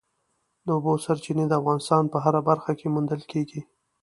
د اوبو سرچینې د افغانستان په هره برخه کې موندل کېږي.